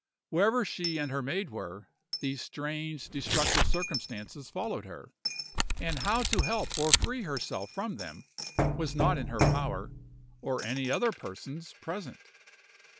Wherever she and her maid were, these strange, destructive circumstances followed her, and how to help or free herself from them was not in her power or any other person's present.